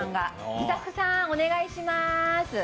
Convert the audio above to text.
スタッフさーん、お願いしまーす。